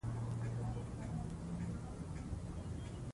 فرهنګ د نسلونو تر منځ فکري اړیکه ټینګوي.